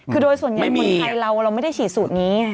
คือโดยส่วนใหญ่คนไทยเราไม่ได้ฉีดสูตรนี้ไง